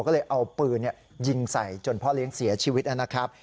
ก็เลยเอาปืนยิงใส่จนพ่อเลี้ยงเสียชีวิตนะครับ